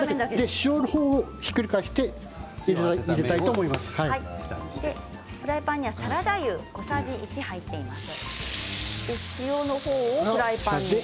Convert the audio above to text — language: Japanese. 塩の方ひっくり返してフライパンにはサラダ油が入っています。